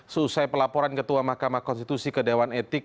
seusai pelaporan ketua mahkamah konstitusi kedewan etik